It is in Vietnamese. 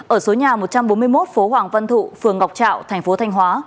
ở số nhà một trăm bốn mươi một phố hoàng văn thụ phường ngọc trạo tp thanh hóa